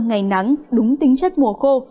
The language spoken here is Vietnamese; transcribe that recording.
ngày nắng đúng tính chất mùa khô